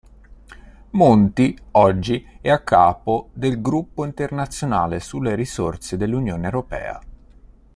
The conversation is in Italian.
Monti oggi è a capo del gruppo internazionale sulle risorse dell'Unione europea.